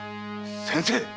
先生！